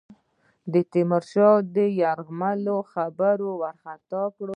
د تیمورشاه د یرغل خبرونو وارخطا کړه.